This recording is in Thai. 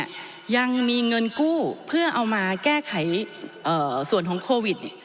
ยังมีเงินกู้เพื่อเอามาแก้ไขส่วนของโควิด